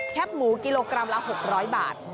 หมูกิโลกรัมละ๖๐๐บาท